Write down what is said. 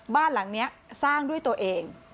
บ้านหลังนี้สร้างด้วยตัวเอง